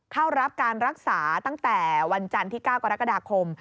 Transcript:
เข้ารับการรักษาตั้งแต่วันจันทร์ที่๙กรกฎาคม